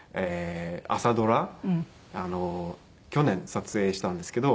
朝ドラ去年撮影したんですけど。